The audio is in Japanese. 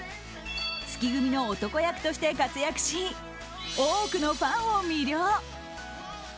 月組の男役として活躍し多くのファンを魅了。